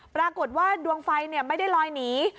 ปรากฏว่าดวงไฟไม่ได้ลอยหนี